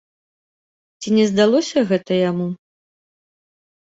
Ці не здалося гэта яму?